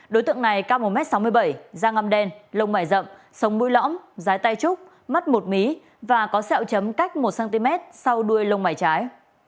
đối tượng này cao một m sáu mươi bảy da ngầm đen lông mải rậm sông mũi lõm dái tai trúc mắt một mí và có sẹo chấm cách một cm sau đuôi lông mải trái